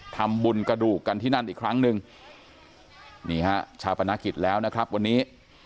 ทำบุญกระดูกกันที่นั่นอีกครั้งหนึ่งนี่ฮะชาปนกิจแล้วนะครับวันนี้